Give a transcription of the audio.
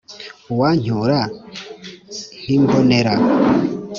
Uwancyura nk’ imbonera,